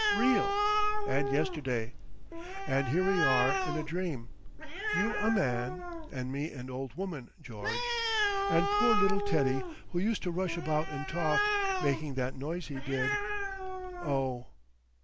Real! And yesterday. And here we are in a dream. You a man—and me an old woman, George. And poor little Teddy, who used to rush about and talk—making that noise he did—Oh!"